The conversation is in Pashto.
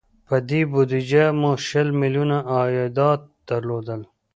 په دې بودجه مو شل میلیونه عایدات درلودل.